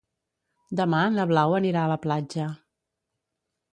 Demà na Blau anirà a la platja.